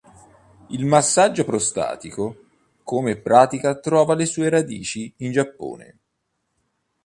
Il massaggio prostatico come pratica trova le sue radici in Giappone.